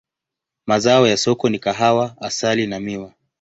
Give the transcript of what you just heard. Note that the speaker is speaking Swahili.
Mazao ya soko ni kahawa, asali na miwa.